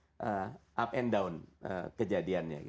sebenarnya kita bisa kadar ke dalam kejadiannya